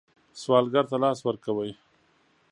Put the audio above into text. سوالګر ته لاس ورکوئ